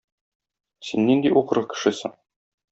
Син нинди угры кешесең?